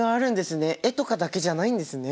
絵とかだけじゃないんですね。